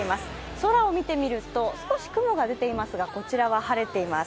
空を見てみると少し雲が出ていますがこちらは晴れています。